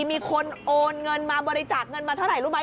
มีคนโอนเงินมาบริจาคเงินมาเท่าไหร่รู้ไหม